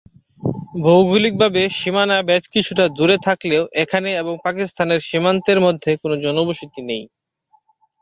ভৌগোলিকভাবে সীমানা বেশ কিছুটা দূরে থাকলেও এখানে এবং পাকিস্তানের সীমান্তের মধ্যে কোনও জনবসতি নেই।